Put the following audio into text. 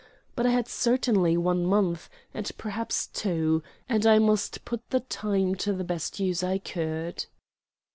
But I had certainly one month, and perhaps two; and I must put the time to the best use I could.